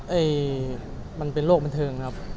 เฮ้ยมันเป็นโรคบันเทิงครับ